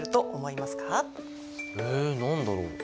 え何だろう？